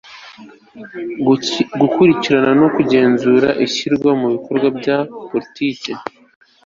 gukurikirana no kugenzura ishyirwa mu bikorwa rya politiki